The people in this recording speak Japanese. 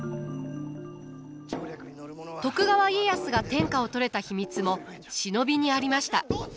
徳川家康が天下を取れた秘密も忍びにありました。